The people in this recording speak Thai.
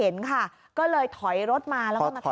ใช่